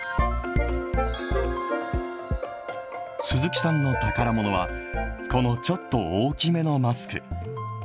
鈴木さんの宝ものは、このちょっと大きめのマスク。